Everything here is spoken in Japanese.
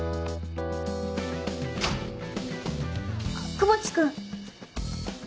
窪地君。